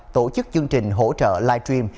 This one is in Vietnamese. tổ chức chương trình hỗ trợ live stream